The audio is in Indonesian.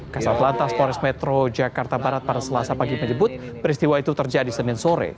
keselatan polis metro jakarta barat pada selasa pagi menyebut peristiwa itu terjadi senin sore